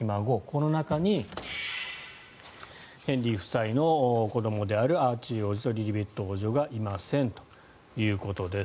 この中にヘンリー夫妻の子どもであるアーチー王子とリリベット王女がいませんということです。